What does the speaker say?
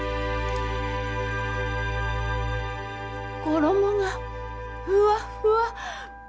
衣がふわっふわ。